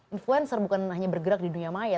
influencer bukan hanya bergerak di dunia maya